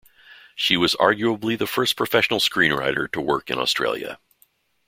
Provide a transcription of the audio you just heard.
She was arguably the first professional screenwriter to work in Australia.